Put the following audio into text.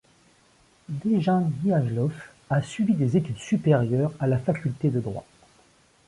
Dejan Mihajlov a suivi des études supérieures à la Faculté de droit.